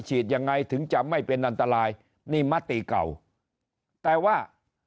ยังไงถึงจะไม่เป็นอันตรายนี่มติเก่าแต่ว่า